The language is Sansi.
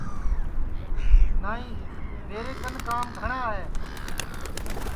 نائی میرے کن کام گھٹؔا ہے